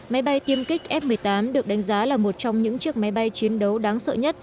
máy bay tiêm kích f một mươi tám được đánh giá là một trong những chiếc máy bay chiến đấu đáng sợ nhất